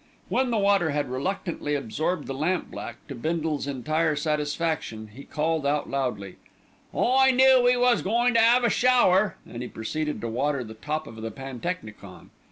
When the water had reluctantly absorbed the lamp black to Bindle's entire satisfaction, he called out loudly: "I knew we was goin' to 'ave a shower," and he proceeded to water the top of the pantechnicon.